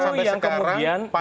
itu yang kemudian betul